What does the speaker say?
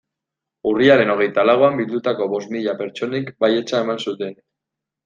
Urriaren hogeita lauan bildutako bost mila pertsonek baietza eman zuten.